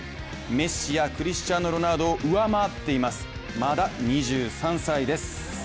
メッシやクリスティアーノ・ロナウドを上回っています、まだ２３歳です。